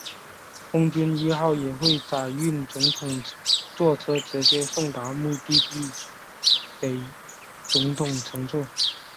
空军一号也会载运总统座车直接送达目的地给总统乘坐。